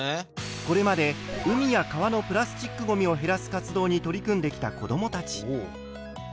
これまで海や川のプラスチックごみを減らす活動に取り組んできた子どもたち。